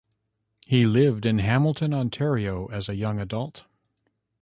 He lived in Hamilton, Ontario, as a young adult.